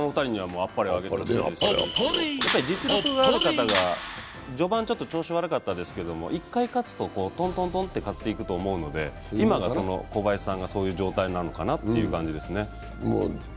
やっぱり実力がある方で、序盤ちょっと調子悪かったですが一回勝つと、とんとんとんと勝っていくと思うので、今が、小林さんがそういう状態なのかなという感じですね。